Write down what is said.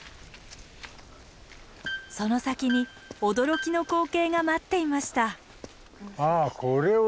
その先に驚きの光景が待っていました。